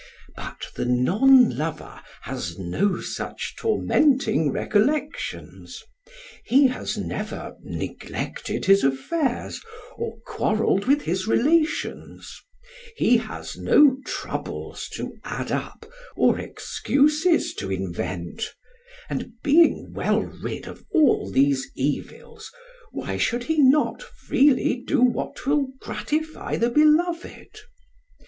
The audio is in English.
But the non lover has no such tormenting recollections; he has never neglected his affairs or quarrelled with his relations; he has no troubles to add up or excuses to invent; and being well rid of all these evils, why should he not freely do what will gratify the beloved?